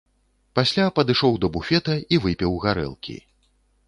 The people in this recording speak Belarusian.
Пасля падышоў да буфета і выпіў гарэлкі.